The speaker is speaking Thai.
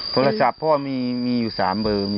โทรศัพท์พ่อมีอยู่๓เบอร์